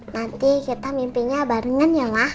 nanti kita mimpinya barengan ya lah